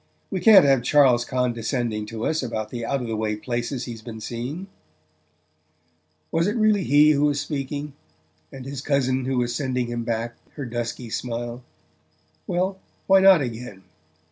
We can't have Charles condescending to us about the out of the way places he's been seeing." Was it really he who was speaking, and his cousin who was sending him back her dusky smile? Well why not, again?